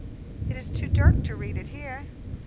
"It is too dark to read it here."